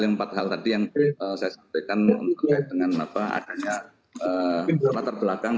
yang empat hal tadi yang saya sampaikan dengan adanya latar belakang